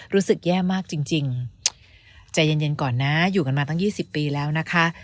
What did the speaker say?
รู้สึกแย่มากจริงใจเย็นก่อนนะอยู่กันมาตั้ง๒๐ปีแล้วนะคะ